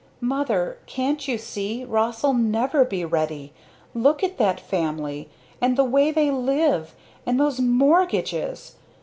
"Mother! can't you see Ross'll never be ready! Look at that family! And the way they live! And those mortgages!